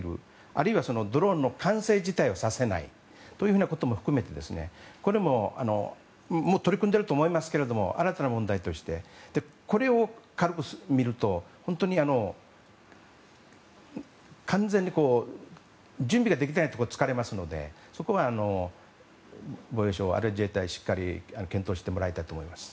あるいはドローンの完成自体をさせないということも含めてこれももう取り組んでいると思いますけれども新たな問題としてこれを軽く見ると本当に完全に準備ができていないところを突かれますのでそこは、防衛省あるいは自衛隊しっかりと検討してもらいたいと思います。